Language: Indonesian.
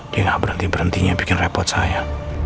dia nggak berhenti berhentinya bikin repot saya